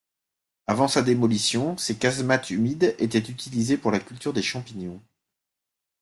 Avant sa démolition, ses casemates humides étaient utilisées pour la culture des champignons.